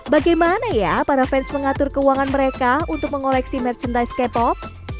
bagaimana ya para fans mengatur keuangan mereka untuk mengoleksi merchandise k pop